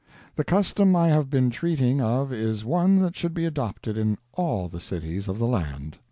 The custom I have been treating of is one that should be adopted in all the cities of the land.